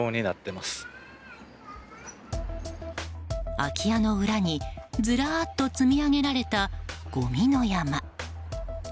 空き家の裏にずらっと積み上げられたごみの山。